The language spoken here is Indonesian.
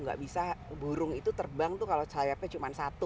nggak bisa burung itu terbang tuh kalau sayapnya cuma satu